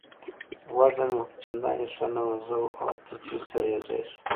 وضع مې چندانې ښه نه وه، زه او ته چې سره یو ځای شوو.